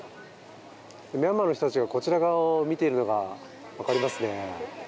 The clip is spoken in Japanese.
ミャンマーの人たちがこちら側を見ているのが分かりますね。